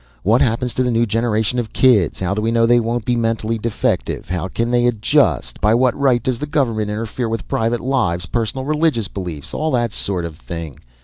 What happens to the new generation of kids, how do we know they won't be mentally defective, how can they adjust, by what right does the government interfere with private lives, personal religious beliefs; all that sort of thing.